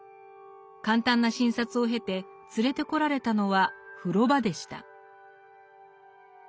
簡単な診察を経て連れてこられたのは風呂場でした。